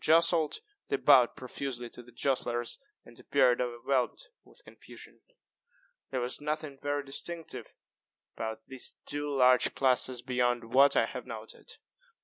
If jostled, they bowed profusely to the jostlers, and appeared overwhelmed with confusion. There was nothing very distinctive about these two large classes beyond what I have noted.